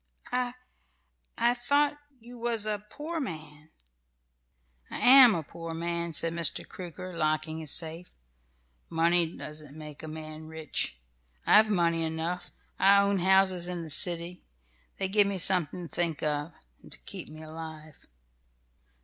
"I I thought you was a poor man." "I am a poor man," said Mr. Crooker, locking his safe. "Money doesn't make a man rich. I've money enough. I own houses in the city. They give me something to think of, and so keep me alive.